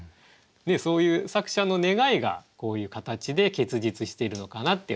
そういう作者の願いがこういう形で結実しているのかなって思いました。